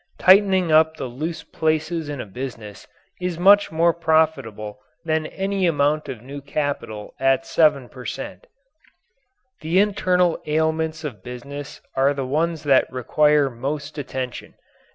Tightening up the loose places in a business is much more profitable than any amount of new capital at 7 per cent. The internal ailments of business are the ones that require most attention.